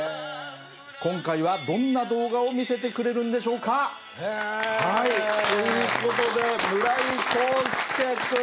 今回はどんな動画を見せてくれるんでしょうか？ということで村井孝輔くん。